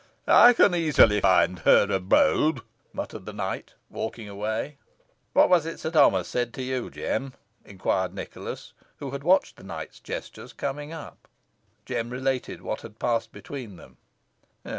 "I can easily find her abode," muttered the knight, walking away. "What was it Sir Thomas said to you, Jem?" inquired Nicholas, who had watched the knight's gestures, coming up. Jem related what had passed between them.